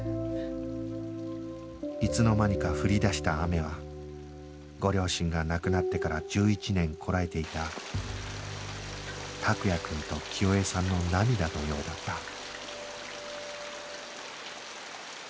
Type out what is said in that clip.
いつの間にか降り出した雨はご両親が亡くなってから１１年こらえていた託也くんと清江さんの涙のようだった